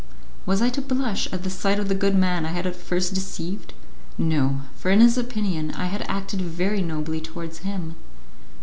Was I to blush at the sight of the good man I had at first deceived? No, for in his opinion I had acted very nobly towards him.